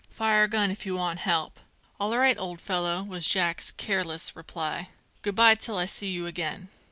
"'Fire a gun if you want help." "All right, old fellow," was Jack's careless reply. "Good bye till I see you again!"